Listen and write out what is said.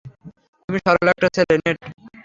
তুমি সরল একটা ছেলে, নেট।